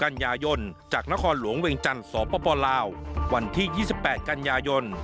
กันยายนจากนครหลวงเวียงจันทร์สปลาววันที่๒๘กันยายน